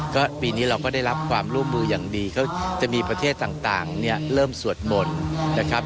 ก็ปีนี้เราก็ได้รับความร่วมมืออย่างดีเขาจะมีประเทศต่างเนี่ยเริ่มสวดมนต์นะครับ